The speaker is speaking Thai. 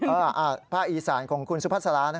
อาวุธป็าอีสานของคุณสุพัฒนาสาระนะ